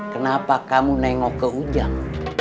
kenapa kamu nengok ke ujang